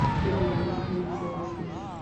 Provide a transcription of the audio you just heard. তুই মানুষ খুন করেছিস!